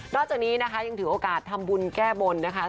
จากนี้นะคะยังถือโอกาสทำบุญแก้บนนะคะ